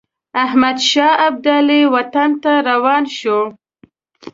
احمدشاه ابدالي وطن ته روان شو.